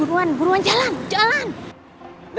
langsung aja asik asik